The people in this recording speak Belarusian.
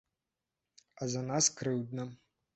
А за нас крыўдна.